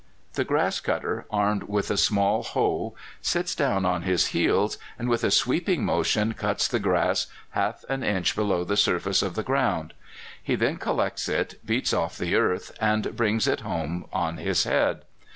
The grass cutter, armed with a small hoe, sits down on his heels, and with a sweeping motion cuts the grass half an inch below the surface of the ground. He then collects it, beats off the earth, and brings it home on his head.